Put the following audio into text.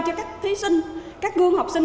cho các thí sinh các gương học sinh